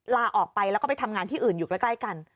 ลาออกไปแล้วก็ไปทำงานที่อื่นอยู่ใกล้กัน